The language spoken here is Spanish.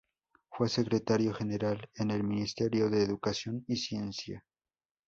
Fue Secretario General en el Ministerio de Educación y Ciencia.